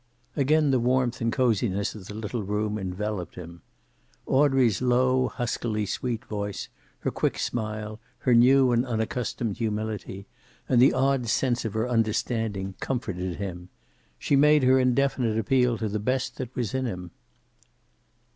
Again the warmth and coziness of the little room enveloped him. Audrey's low huskily sweet voice, her quick smile, her new and unaccustomed humility, and the odd sense of her understanding, comforted him. She made her indefinite appeal to the best that was in him.